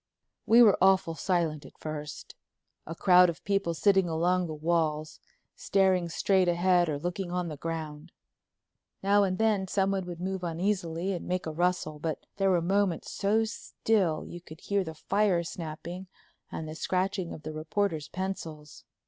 We were awful silent at first, a crowd of people sitting along the walls, staring straight ahead or looking on the ground. Now and then someone would move uneasily and make a rustle, but there were moments so still you could hear the fire snapping and the scratching of the reporters' pencils.